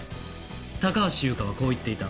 高橋優花はこう言っていた。